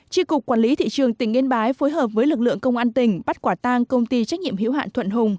tri cục quản lý thị trường tỉnh yên bái phối hợp với lực lượng công an tỉnh bắt quả tang công ty trách nhiệm hữu hạn thuận hùng